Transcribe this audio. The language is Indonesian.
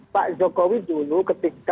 pak jokowi dulu ketika